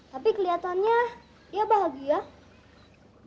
tapi kelihatannya dia bahagia